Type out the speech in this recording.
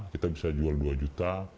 kita bisa jual dua juta